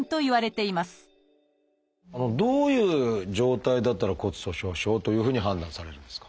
どういう状態だったら骨粗しょう症というふうに判断されるんですか？